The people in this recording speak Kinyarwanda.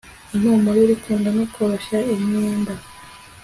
impumuro y'urukundo no koroshya imyenda